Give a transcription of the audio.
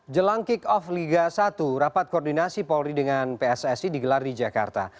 jelang kick off liga satu rapat koordinasi polri dengan pssi digelar di jakarta